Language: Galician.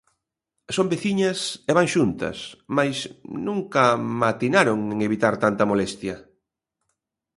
Son veciñas e van xuntas, mais nunca matinaron e evitar tanta molestia.